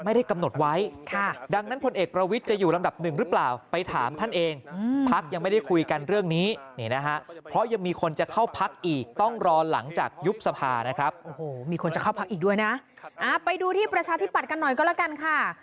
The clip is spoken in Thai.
อีกด้วยนะไปดูที่ประชาธิบัติกันหน่อยก็แล้วกันค่ะ